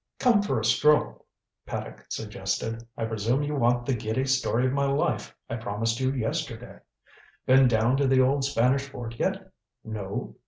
"Come for a stroll," Paddock suggested. "I presume you want the giddy story of my life I promised you yesterday? Been down to the old Spanish fort yet? No?